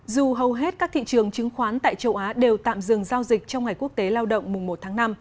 dù hầu hết các thị trường chứng khoán tại châu á đều tạm dừng giao dịch trong ngày quốc tế lao động mùng một tháng năm